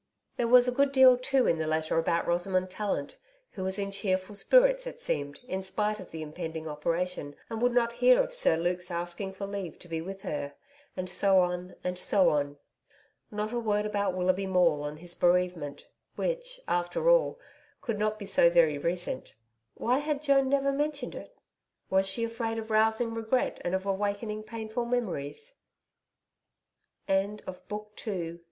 There was a good deal, too, in the letter about Rosamond Tallant, who was in cheerful spirits, it seemed, in spite of the impending operation, and would not hear of Sir Luke's asking for leave to be with her and so on and so on. Not a word about Willoughby Maule and his bereavement which, after all, could not be so very recent. Why had Joan never mentioned it? Was she afraid of rousing regret and of awakening painful memories. * Cleanskin Unbranded calf.